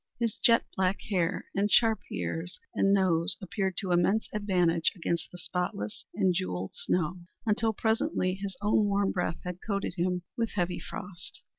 His jet black hair and sharp ears and nose appeared to immense advantage against the spotless and jewelled snow, until presently his own warm breath had coated him with heavy frost.